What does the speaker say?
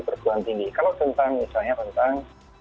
perguruan tinggi kalau tentang misalnya tentang